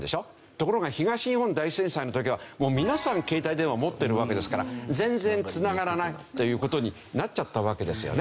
ところが東日本大震災の時は皆さん携帯電話持ってるわけですから全然つながらないという事になっちゃったわけですよね。